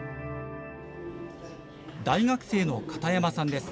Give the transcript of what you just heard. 大学生の片山さんです。